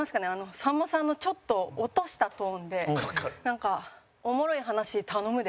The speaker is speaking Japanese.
さんまさんのちょっと落としたトーンでなんか「おもろい話、頼むで。